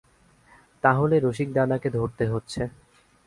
তা হলে রসিকদাদাকে ধরতে হচ্ছে।